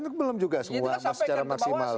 mana kan belum juga semua secara maksimal